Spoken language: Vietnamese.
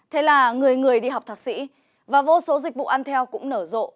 thế là người người đi học thạc sĩ và vô số dịch vụ ăn theo cũng nở rộ